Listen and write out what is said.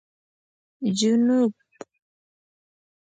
جنوب